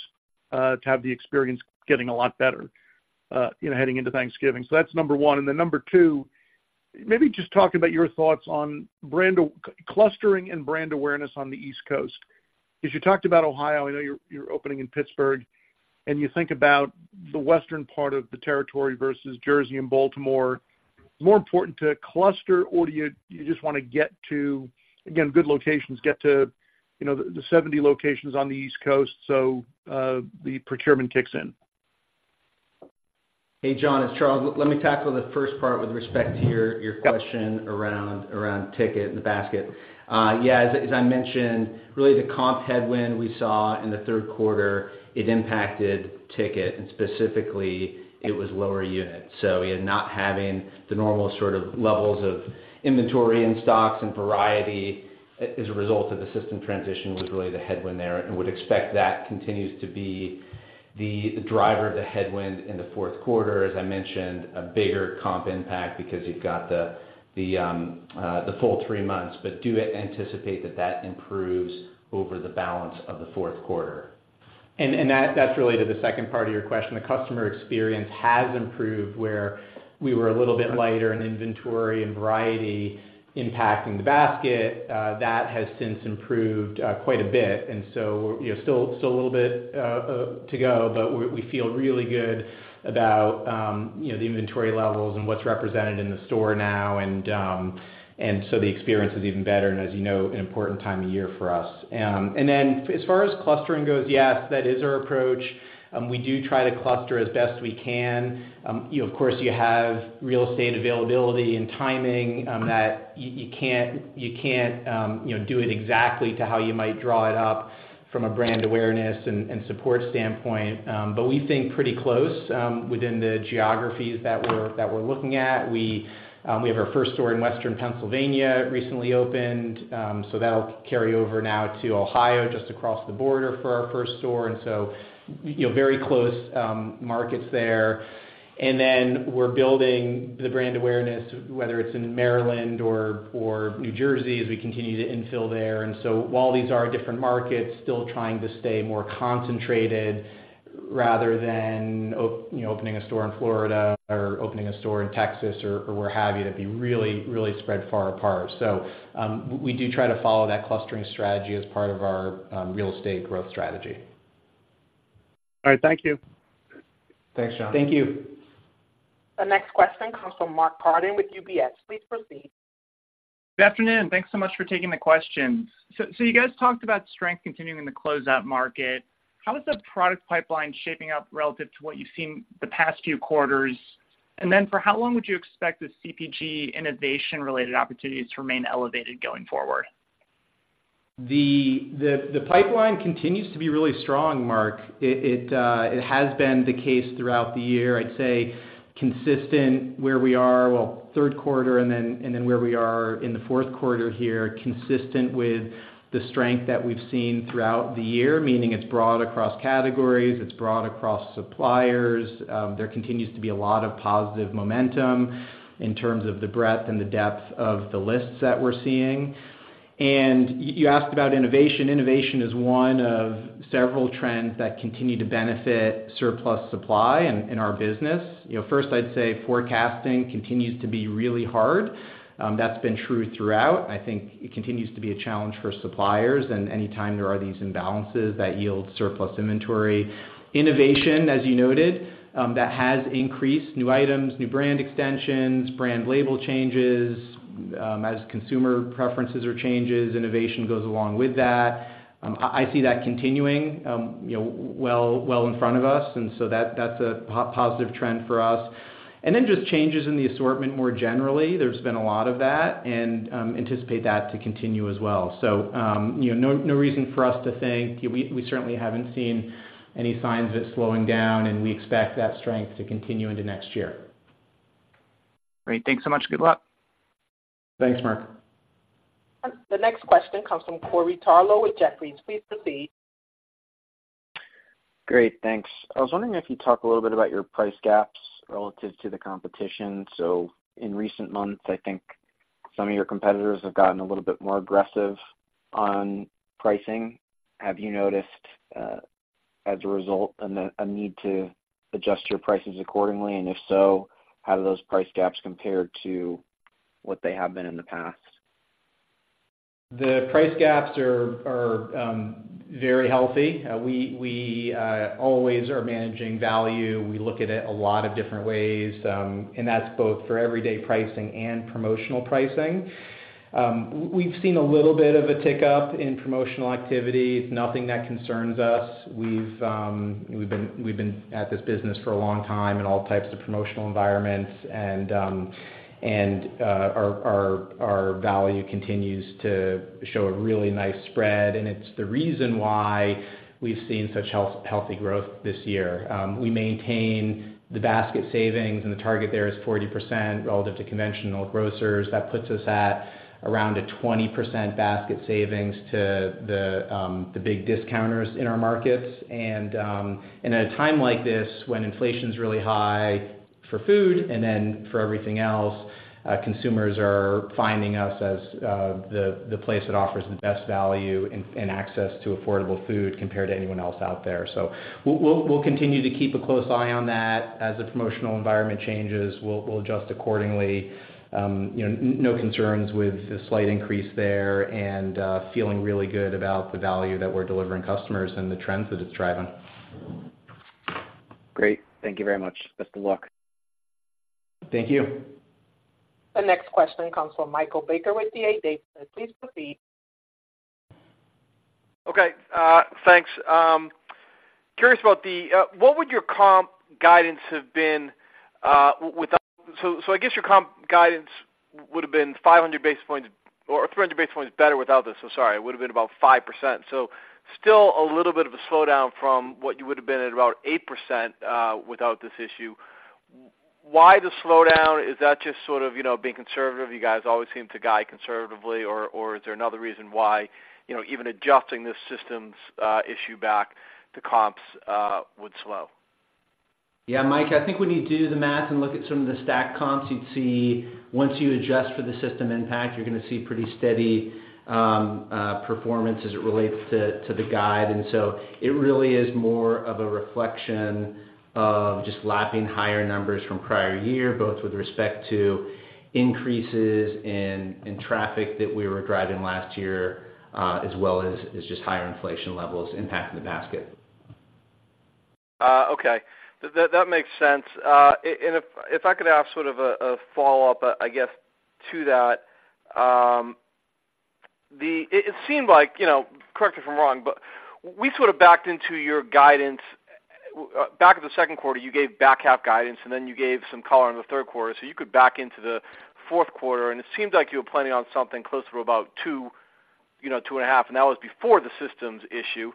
to have the experience getting a lot better, you know, heading into Thanksgiving. So that's number one. And then number two, maybe just talk about your thoughts on brand clustering and brand awareness on the East Coast. As you talked about Ohio, I know you're opening in Pittsburgh, and you think about the western part of the territory versus Jersey and Baltimore. More important to cluster, or do you, you just wanna get to, again, good locations, get to, you know, the 70 locations on the East Coast, so the procurement kicks in? Hey, John, it's Charles. Let me tackle the first part with respect to your, your question- Yep Around ticket and the basket. Yeah, as I mentioned, really the comp headwind we saw in the third quarter impacted ticket, and specifically, it was lower units. So, yeah, not having the normal sort of levels of inventory and stock and variety, as a result of the system transition, was really the headwind there. And I would expect that continues to be the driver of the headwind in the fourth quarter. As I mentioned, a bigger comp impact because you've got the full three months, but do anticipate that improves over the balance of the fourth quarter. And that's related to the second part of your question. The customer experience has improved, where we were a little bit lighter in inventory and variety, impacting the basket. That has since improved quite a bit, and so, you know, still a little bit to go, but we feel really good about, you know, the inventory levels and what's represented in the store now, and, and so the experience is even better, and as you know, an important time of year for us. And then as far as clustering goes, yes, that is our approach. We do try to cluster as best we can. You know, of course, you have real estate availability and timing, that you can't, you know, do it exactly to how you might draw it up from a brand awareness and support standpoint. But we think pretty close, within the geographies that we're looking at. We, we have our first store in Western Pennsylvania, recently opened, so that'll carry over now to Ohio, just across the border for our first store. And so, you know, very close, markets there... And then we're building the brand awareness, whether it's in Maryland or, or New Jersey, as we continue to infill there. And so while these are different markets, still trying to stay more concentrated rather than you know, opening a store in Florida or opening a store in Texas or, or where have you, that'd be really, really spread far apart. So, we, we do try to follow that clustering strategy as part of our, real estate growth strategy. All right. Thank you. Thanks, John. Thank you. The next question comes from Mark Pardon with UBS. Please proceed. Good afternoon. Thanks so much for taking the questions. So you guys talked about strength continuing in the closeout market. How is the product pipeline shaping up relative to what you've seen the past few quarters? And then for how long would you expect the CPG innovation-related opportunities to remain elevated going forward? The pipeline continues to be really strong, Mark. It has been the case throughout the year, I'd say, consistent where we are, well, third quarter, and then where we are in the fourth quarter here, consistent with the strength that we've seen throughout the year, meaning it's broad across categories, it's broad across suppliers. There continues to be a lot of positive momentum in terms of the breadth and the depth of the lists that we're seeing. And you asked about innovation. Innovation is one of several trends that continue to benefit surplus supply in our business. You know, first, I'd say forecasting continues to be really hard. That's been true throughout. I think it continues to be a challenge for suppliers, and any time there are these imbalances, that yields surplus inventory. Innovation, as you noted, that has increased new items, new brand extensions, brand label changes. As consumer preferences are changes, innovation goes along with that. I see that continuing, you know, well in front of us, and so that's a positive trend for us. And then just changes in the assortment more generally. There's been a lot of that, and anticipate that to continue as well. So, you know, no reason for us to think—we certainly haven't seen any signs of it slowing down, and we expect that strength to continue into next year. Great. Thanks so much. Good luck. Thanks, Mark. The next question comes from Corey Tarlowe with Jefferies. Please proceed. Great, thanks. I was wondering if you'd talk a little bit about your price gaps relative to the competition. So in recent months, I think some of your competitors have gotten a little bit more aggressive on pricing. Have you noticed, as a result, a need to adjust your prices accordingly? And if so, how do those price gaps compare to what they have been in the past? The price gaps are very healthy. We always are managing value. We look at it a lot of different ways, and that's both for everyday pricing and promotional pricing. We've seen a little bit of a tick up in promotional activity. It's nothing that concerns us. We've been at this business for a long time in all types of promotional environments, and our value continues to show a really nice spread, and it's the reason why we've seen such healthy growth this year. We maintain the basket savings, and the target there is 40% relative to conventional grocers. That puts us at around a 20% basket savings to the big discounters in our markets. At a time like this, when inflation's really high for food and then for everything else, consumers are finding us as the place that offers the best value and access to affordable food compared to anyone else out there. So we'll continue to keep a close eye on that. As the promotional environment changes, we'll adjust accordingly. You know, no concerns with the slight increase there and feeling really good about the value that we're delivering customers and the trends that it's driving. Great. Thank you very much. Best of luck. Thank you. The next question comes from Michael Baker with D.A. Davidson. Please proceed. Okay, thanks. Curious about the... What would your comp guidance have been without-- So, so I guess your comp guidance would have been 500 basis points or 300 basis points better without this. So sorry, it would have been about 5%. So still a little bit of a slowdown from what you would have been at about 8% without this issue. Why the slowdown? Is that just sort of, you know, being conservative? You guys always seem to guide conservatively, or is there another reason why, you know, even adjusting this system's issue back, the comps would slow? Yeah, Mike, I think when you do the math and look at some of the stack comps, you'd see once you adjust for the system impact, you're gonna see pretty steady performance as it relates to the guide. And so it really is more of a reflection of just lapping higher numbers from prior year, both with respect to increases in traffic that we were driving last year, as well as just higher inflation levels impacting the basket. Okay. That makes sense. And if I could ask sort of a follow-up, I guess, to that. It seemed like, you know, correct me if I'm wrong, but we sort of backed into your guidance. Back in the second quarter, you gave back out guidance, and then you gave some color on the third quarter, so you could back into the fourth quarter, and it seemed like you were planning on something closer to about 2, you know, 2.5, and that was before the systems issue.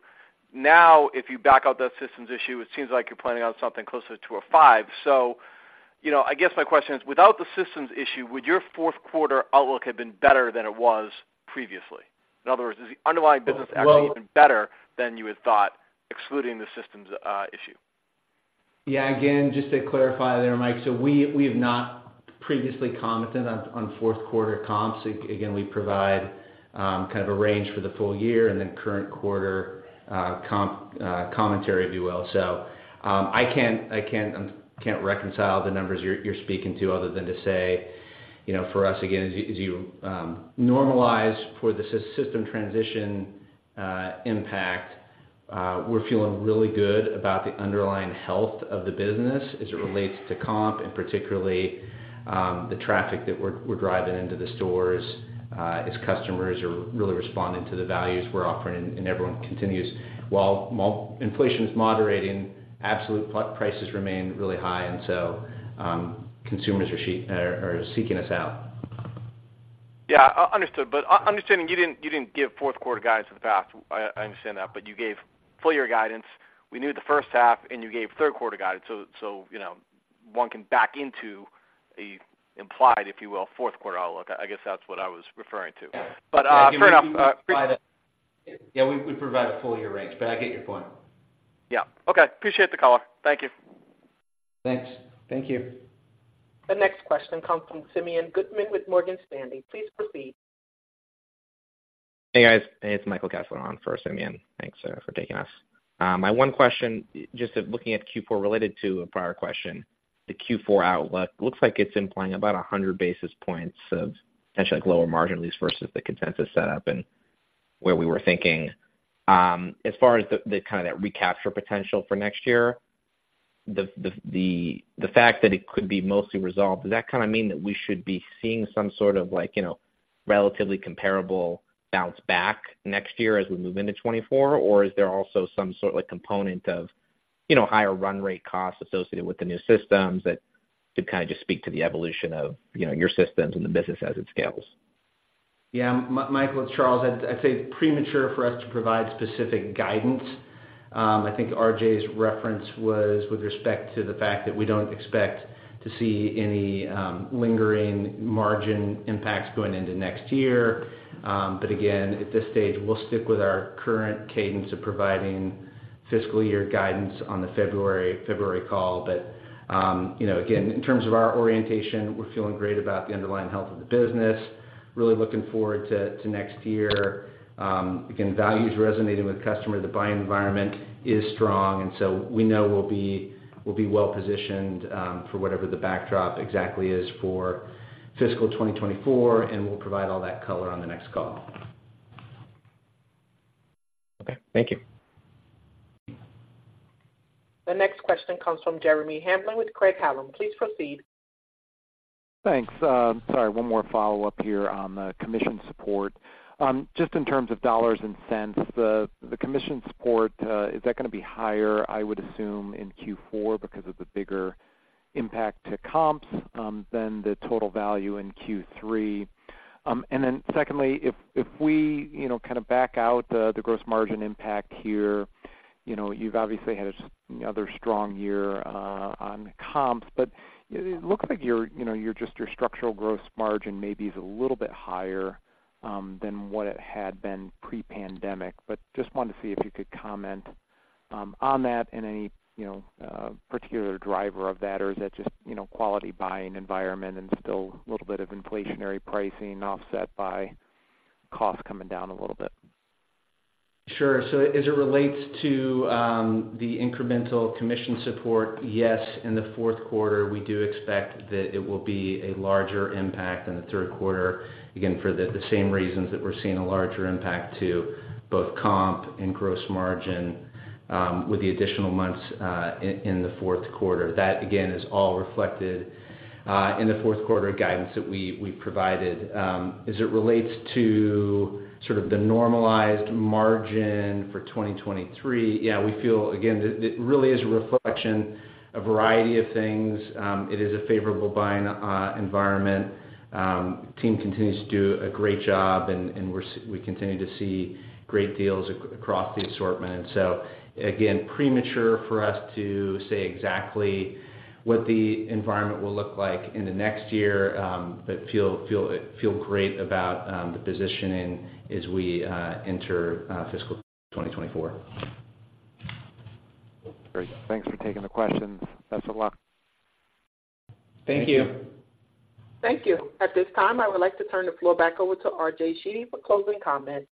Now, if you back out that systems issue, it seems like you're planning on something closer to 5. So, you know, I guess my question is, without the systems issue, would your fourth quarter outlook have been better than it was previously? In other words, is the underlying business actually even better than you had thought, excluding the systems issue? Yeah, again, just to clarify there, Mike, so we, we have not previously commented on fourth quarter comps. Again, we provide kind of a range for the full year and then current quarter comp commentary, if you will. So, I can't, I can't, can't reconcile the numbers you're, you're speaking to other than to say, you know, for us, again, as you, as you normalize for the system transition impact, we're feeling really good about the underlying health of the business as it relates to comp, and particularly the traffic that we're, we're driving into the stores as customers are really responding to the values we're offering. While inflation is moderating, absolute prices remain really high, and so consumers are seeking us out. Yeah, understood. But understanding you didn't, you didn't give fourth quarter guidance in the past, I understand that, but you gave full year guidance. We knew the first half, and you gave third quarter guidance, so, you know, one can back into the implied, if you will, fourth quarter outlook. I guess that's what I was referring to. Yeah. But, fair enough. Yeah, we, we provide a full year range, but I get your point. Yeah. Okay. Appreciate the call. Thank you. Thanks. Thank you. The next question comes from Simeon Gutman with Morgan Stanley. Please proceed. Hey, guys. It's Michael Kessler on for Simeon. Thanks for taking us. My one question, just looking at Q4, related to a prior question, the Q4 outlook looks like it's implying about 100 basis points of potentially like lower margin, at least versus the consensus set up and where we were thinking. As far as the kind of that recapture potential for next year, the fact that it could be mostly resolved, does that kind of mean that we should be seeing some sort of like, you know, relatively comparable bounce back next year as we move into 2024? Or is there also some sort of like, component of, you know, higher run rate costs associated with the new systems that to kind of just speak to the evolution of, you know, your systems and the business as it scales? Yeah, Michael, it's Charles. I'd say premature for us to provide specific guidance. I think RJ's reference was with respect to the fact that we don't expect to see any lingering margin impacts going into next year. But again, at this stage, we'll stick with our current cadence of providing fiscal year guidance on the February call. But you know, again, in terms of our orientation, we're feeling great about the underlying health of the business. Really looking forward to next year. Again, value's resonating with customers. The buying environment is strong, and so we know we'll be well positioned for whatever the backdrop exactly is for fiscal 2024, and we'll provide all that color on the next call. Okay, thank you. The next question comes from Jeremy Hamblin with Craig-Hallum. Please proceed. Thanks. Sorry, one more follow-up here on the commission support. Just in terms of dollars and cents, the commission support is that gonna be higher, I would assume, in Q4 because of the bigger impact to comps than the total value in Q3? And then secondly, if we, you know, kind of back out the gross margin impact here, you know, you've obviously had another strong year on comps, but it looks like your, you know, just your structural gross margin maybe is a little bit higher than what it had been pre-pandemic. But just wanted to see if you could comment on that and any, you know, particular driver of that, or is that just, you know, quality buying environment and still a little bit of inflationary pricing offset by costs coming down a little bit? Sure. So as it relates to the incremental commission support, yes, in the fourth quarter, we do expect that it will be a larger impact than the third quarter. Again, for the same reasons that we're seeing a larger impact to both comp and gross margin, with the additional months in the fourth quarter. That, again, is all reflected in the fourth quarter guidance that we provided. As it relates to sort of the normalized margin for 2023, yeah, we feel again, that it really is a reflection, a variety of things. It is a favorable buying environment. Team continues to do a great job, and we continue to see great deals across the assortment. So again, premature for us to say exactly what the environment will look like in the next year, but feel great about the positioning as we enter fiscal 2024. Great. Thanks for taking the questions. Best of luck. Thank you. Thank you. At this time, I would like to turn the floor back over to RJ Sheedy for closing comments.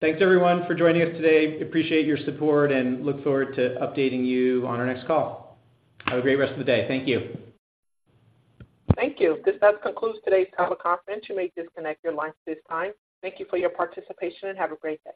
Thanks, everyone, for joining us today. Appreciate your support and look forward to updating you on our next call. Have a great rest of the day. Thank you. Thank you. This does conclude today's teleconference. You may disconnect your lines at this time. Thank you for your participation, and have a great day.